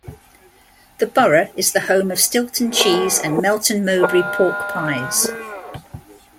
The borough is the home of Stilton Cheese and Melton Mowbray Pork Pies.